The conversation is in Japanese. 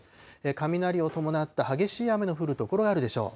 雷を伴った激しい雨の降る所があるでしょう。